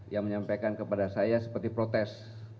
yang menyampaikan kepada saya seperti protes